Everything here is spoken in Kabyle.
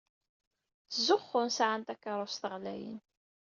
Ttxuzzun sɛan takeṛṛust ɣlayen.